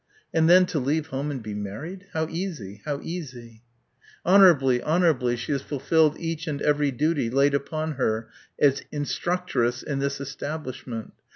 (And then to leave home and be married how easy, how easy!) "Honourably honourably she has fulfilled each and every duty laid upon her as institutrice in this establishment.